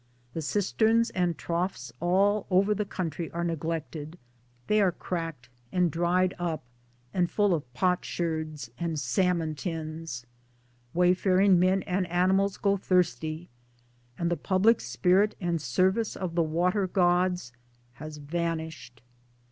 The cisterns and troughs all over the country are neglected. They are cracked and dried up and full of potsherds and salmon tins ; wayfaring men and animals go thirsty ; and the public spirit and service of the water gods has vanished.